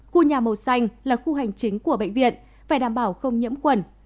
khu nhà màu xanh là khu hành chính của bệnh viện phải đảm bảo không nhẫm quần